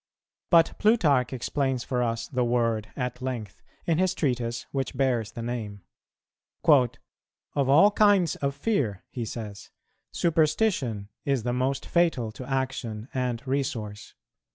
But Plutarch explains for us the word at length, in his Treatise which bears the name: "Of all kinds of fear," he says, "superstition is the most fatal to action and resource.